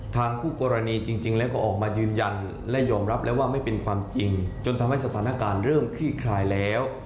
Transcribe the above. คู่กรณีจริงแล้วก็ออกมายืนยันและยอมรับแล้วว่าไม่เป็นความจริงจนทำให้สถานการณ์เริ่มคลี่คลายแล้ว